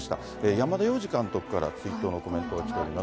山田洋次監督から、追悼のコメントが来ております。